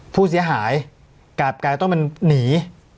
ผู้เสียหายกลายเป็นต้องหนี